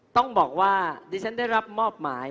ต้องบอกว่าดิฉันได้รับมอบหมาย